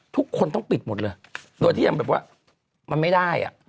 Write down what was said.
ทุกคนต้องปิดหมดเลยโดยที่ยังแบบว่ามันไม่ได้อ่ะ